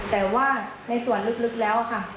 แต่ว่าในส่วนลึกแล้วค่ะ